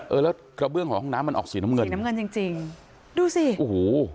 เออแล้วกระเบื้องของห้องน้ำมันออกสีน้ำเงินสีน้ำเงินจริงจริงดูสิโอ้โห